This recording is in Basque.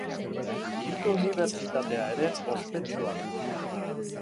Hiriko unibertsitatea ere ospetsua da.